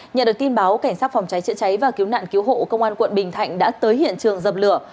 nhận được tin báo cảnh sát phòng cháy chữa cháy và cứu nạn cứu hộ công an quận bình thạnh đã tới hiện trường dập lửa